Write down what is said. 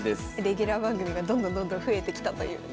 レギュラー番組がどんどんどんどん増えてきたという感じでしょうか。